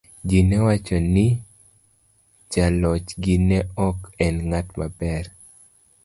Ji ne wacho ni jalochgi ne ok en ng'at maber.